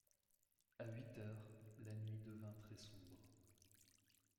À huit heures, la nuit devint très-sombre.